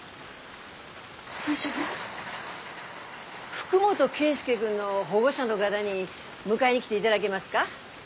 福本圭輔君の保護者の方に迎えに来ていただげますか？